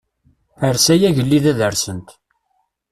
Ers ay agellid ad rsent.